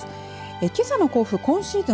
けさの甲府、今シーズン